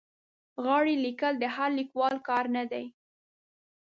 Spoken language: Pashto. غاړې لیکل د هر لیکوال کار نه دی.